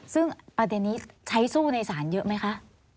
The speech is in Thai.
ซึ่งประเด็นนี้ใช้สู้ในศาลเยอะไหมคะ